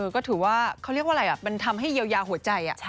ก็ถือว่าเขาเรียกว่าอะไรมันทำให้เยียวยาหัวใจ